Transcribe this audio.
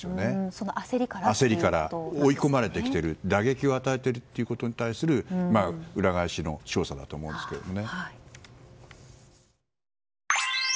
その焦りから追い込まれてきている打撃を与えているということに対しての裏返しの証左だと思うんですけどね。